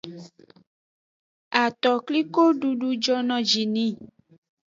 Atokliko dudu jono ji ni.